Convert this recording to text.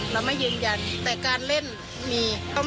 เราไม่ยืนยันแต่การเล่นมี